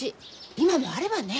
今もあればね！